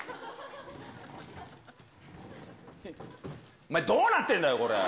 お前、どうなってんだよ、これ。